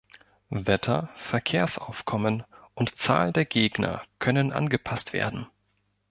Wetter, Verkehrsaufkommen und Zahl der Gegner können angepasst werden.